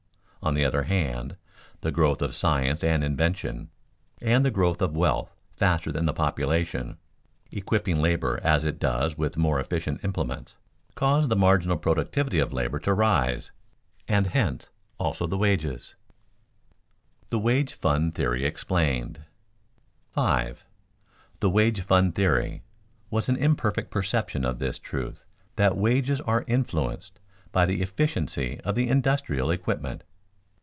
On the other hand, the growth of science and invention, and the growth of wealth faster than the population, equipping labor as it does with more efficient implements, cause the marginal productivity of labor to rise, and hence also the wages. [Sidenote: The wage fund theory explained] 5. _The "wage fund theory" was an imperfect perception of this truth that wages are influenced by the efficiency of the industrial equipment.